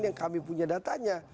yang kami punya datanya